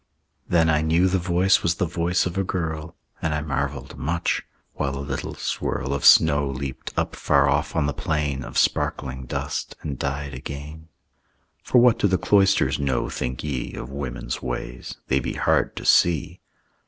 Then I knew the voice was the voice of a girl, And I marvelled much (while a little swirl Of snow leaped up far off on the plain Of sparkling dust and died again), For what do the cloisters know, think ye, Of women's ways? They be hard to see.